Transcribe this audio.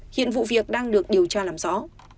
hiện vụ việc đang được điều tra làm rõ